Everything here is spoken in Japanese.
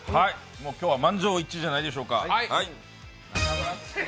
今日は満場一致じゃないでしょうか。